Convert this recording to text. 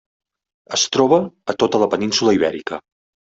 Es troba a tota la península Ibèrica.